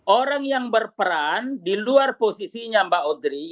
orang yang berperan di luar posisinya mbak odri